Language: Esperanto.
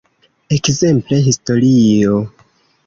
Ekzemple, historio.